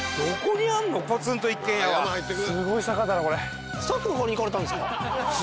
すごい坂だなこれ。